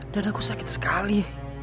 darahku sakit sekali